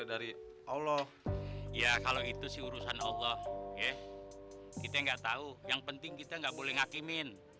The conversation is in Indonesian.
dari allah ya kalau itu sih urusan allah ya kita nggak tahu yang penting kita nggak boleh ngakimin